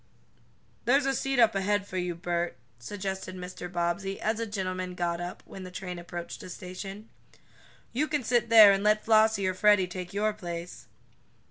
"There's a seat up ahead for you, Bert," suggested Mr. Bobbsey, as a gentleman got up, when the train approached a station. "You can sit there, and let Flossie or Freddie take your place."